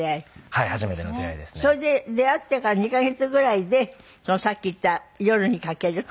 それで出会ってから２カ月ぐらいでさっき言った『夜に駆ける』？